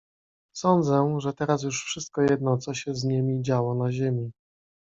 "Sądzę, że teraz już wszystko jedno, co się z niemi działo na ziemi."